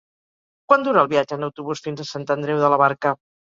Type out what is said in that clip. Quant dura el viatge en autobús fins a Sant Andreu de la Barca?